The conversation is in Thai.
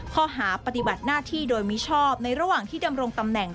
ข้อหาปฏิบัติหน้าที่โดยมิชอบในระหว่างที่ดำรงตำแหน่ง